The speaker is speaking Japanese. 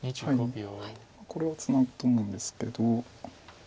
これはツナぐと思うんですけど。